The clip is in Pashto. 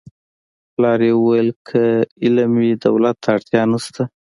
پلار یې ویل که علم وي دولت ته اړتیا نشته